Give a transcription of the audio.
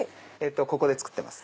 ここで作ってます。